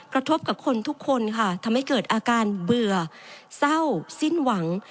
กระทบกับคนทุกคนค่ะทำให้เกิดอาการเบื่อเศร้าสิ้นหวัง